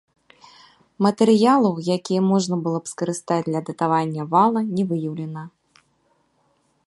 Матэрыялаў, якія можна было б скарыстаць для датавання вала, не выяўлена.